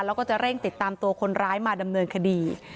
แล้วก็จะเร่งติดตามตัวคนร้ายมาดำเนินคดี